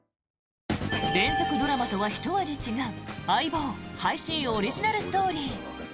連続ドラマとはひと味違う「相棒」配信オリジナルストーリー。